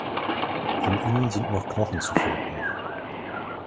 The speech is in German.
In ihnen sind noch Knochen zu finden.